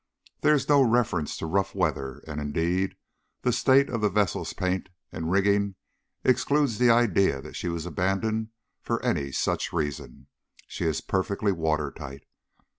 There is no reference to rough weather, and, indeed, the state of the vessel's paint and rigging excludes the idea that she was abandoned for any such reason. She is perfectly watertight.